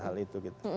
hal itu gitu